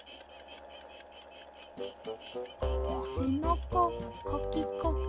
せなかカキカキ。